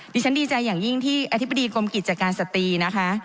ดีใจอย่างยิ่งที่อธิบดีกรมกิจการสตรีนะคะ